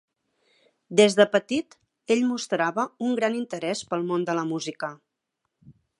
Des de petit, ell mostrava un gran interès pel món de la música.